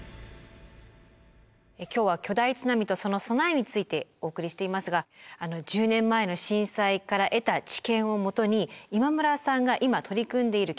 今日は巨大津波とその備えについてお送りしていますが１０年前の震災から得た知見を基に今村さんが今取り組んでいる研究があります。